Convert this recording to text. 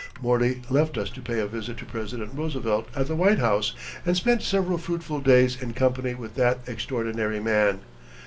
Morley left us to pay a visit to President Roosevelt at the White House, and spent several fruitful days in company with that extraordinary man.